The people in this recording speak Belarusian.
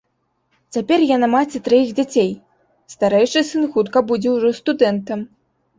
Цяпер яна маці траіх дзяцей, старэйшы сын хутка будзе ўжо студэнтам.